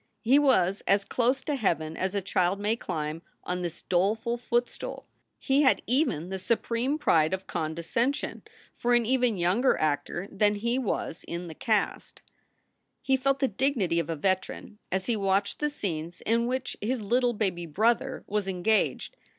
He was as close to heaven as a child may climb on this doleful footstool. He had even the supreme pride of condescension ; for an even younger actor than he was in the cast. He felt the dignity of a veteran as he watched the scenes in which his little baby "brother" was engaged.